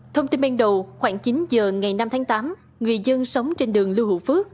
thông tin ban đầu khoảng chín giờ ngày năm tháng tám người dân sống trên đường lưu hữu phước